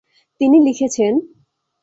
তিনি লিখেছেনঃ